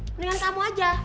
mendingan kamu aja